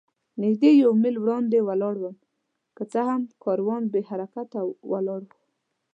نږدې یو میل وړاندې ولاړم، که څه هم کاروان بې حرکته ولاړ و.